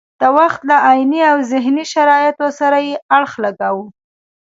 د وخت له عیني او ذهني شرایطو سره یې اړخ لګاوه.